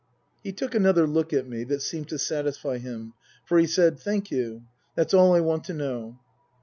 He took another look at me that seemed to satisfy him, for he said :" Thank you. That's all I want to know."